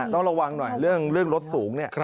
ต้องระวังหน่อยเรื่องรถสูงเนี่ย